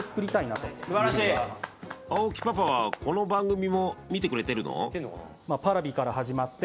青木パパはこの番組も見てくれてるの？